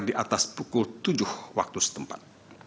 di atas pukul tujuh waktu setempat